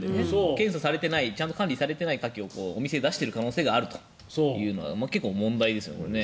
検査されていないちゃんと管理されていないカキを出している可能性があるというのは問題ですね。